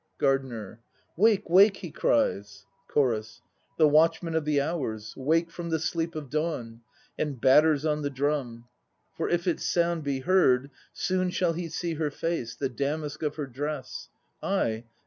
GARDENER. "Wake, wake," he cries CHORUS. The watchman of the hours, "Wake from the sleep of dawn!" And batters on the drum. For if its sound be heard, soon shall he see Her face, the damask of her dress ..